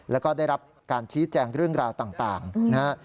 แล้วก็ได้รับการชี้แจงเรื่องราวต่างนะฮะ